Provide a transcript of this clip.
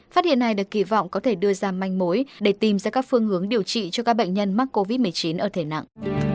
phát hiện này được kỳ vọng có thể đưa ra manh mối để tìm ra các phương hướng điều trị cho các bệnh nhân mắc covid một mươi chín ở thể nặng